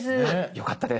よかったです。